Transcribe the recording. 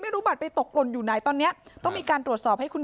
บัตรไปตกหล่นอยู่ไหนตอนนี้ต้องมีการตรวจสอบให้คุณ